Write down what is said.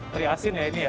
teri asin ya ini ya